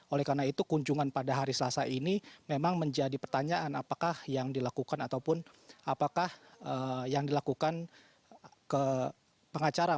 oleh karena itu kunjungan pada hari selasa ini memang menjadi pertanyaan apakah yang dilakukan ke pengacara